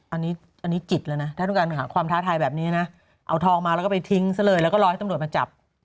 อันนี้จิตแล้วนะถ้าต้องการหาความท้าทายแบบนี้นะเอาทองมาแล้วก็ไปทิ้งซะเลยแล้วก็รอให้ตำรวจมาจับ